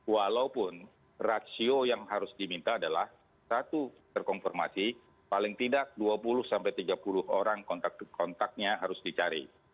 walaupun rasio yang harus diminta adalah satu terkonfirmasi paling tidak dua puluh tiga puluh orang kontaknya harus dicari